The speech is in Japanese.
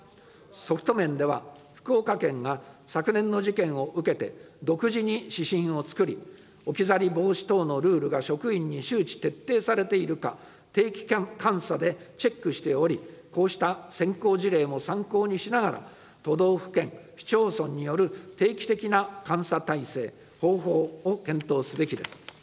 ソフト面では、福岡県が昨年の事件を受けて独自に指針を作り、置き去り防止等のルールが職員に周知徹底されているか、定期監査でチェックしており、こうした先行事例も参考にしながら、都道府県・市町村による定期的な監査体制、方法を検討すべきです。